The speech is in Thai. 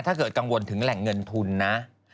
ถ้าเกิดกังวลถึงแหล่งเงินทุนนะ